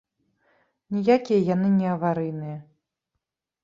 Ніякія яны не аварыйныя.